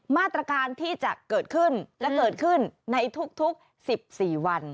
มาตรการที่จะเกิดขึ้นและเกิดขึ้นในทุก๑๔วัน